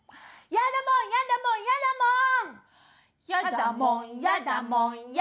やだもんやだもんやだもん。